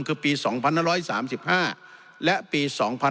คือปี๒๕๓๕และปี๒๕๖๒